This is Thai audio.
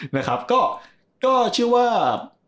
นะครับก็เชื่อว่า